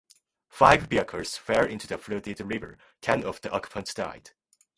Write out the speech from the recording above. Five vehicles fell into the flooded river, ten of the occupants died.